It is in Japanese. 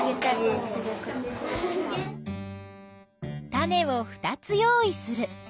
種を２つ用意する。